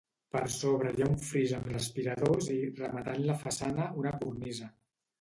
Per sobre hi ha un fris amb respiradors i, rematant la façana, una cornisa.